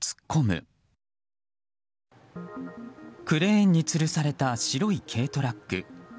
クレーンにつるされた白い軽トラック。